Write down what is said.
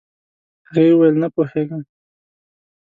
هغې وويل نه پوهيږم.